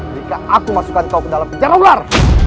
jika aku masukkan kau ke dalam penjara ular